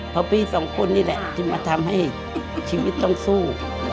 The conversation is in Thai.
เพราะพี่สองคนนี่แหละที่มาทำให้ชีวิตต้องสู้